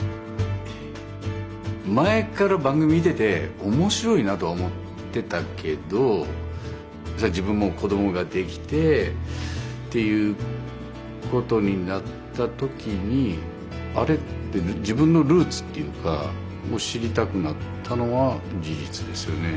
前から番組見てて面白いなとは思ってたけど自分も子どもができてっていうことになった時にあれ？って自分のルーツっていうかを知りたくなったのは事実ですよね。